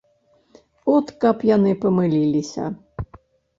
От каб яны памыліліся.